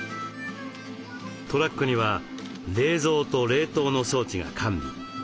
トラックには冷蔵と冷凍の装置が完備。